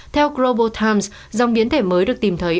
theo global times dòng biến thể mới được tìm thấy